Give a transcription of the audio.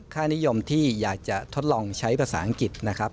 ค่านิยมที่อยากจะทดลองใช้ภาษาอังกฤษนะครับ